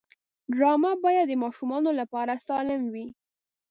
ډرامه باید د ماشومانو لپاره سالم وي